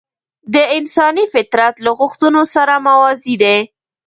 د انساني فطرت له غوښتنو سره موازي دي.